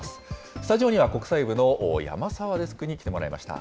スタジオには国際部の山澤デスクに来てもらいました。